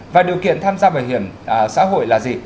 và điều kiện tham gia bảo hiểm xã hội là gì